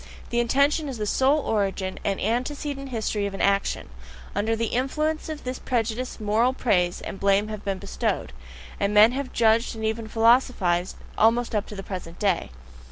The intention as the sole origin and antecedent history of an action: under the influence of this prejudice moral praise and blame have been bestowed, and men have judged and even philosophized almost up to the present day.